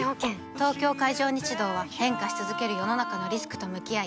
東京海上日動は変化し続ける世の中のリスクと向き合い